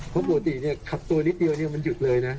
เพราะปกติขับตัวนิดเดียวมันหยุดเลยนะ